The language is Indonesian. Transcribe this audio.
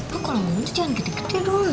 lo kalau ngomong itu jangan gede gede dong